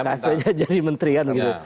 kspi jadi menteri ya